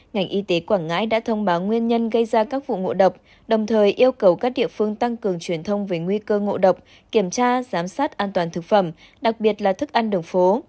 ngành y tế quảng ngãi đã thông báo nguyên nhân gây ra các vụ ngộ độc đồng thời yêu cầu các địa phương tăng cường truyền thông về nguy cơ ngộ độc kiểm tra giám sát an toàn thực phẩm đặc biệt là thức ăn đường phố